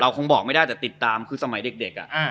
คงบอกไม่ได้แต่ติดตามคือสมัยเด็ก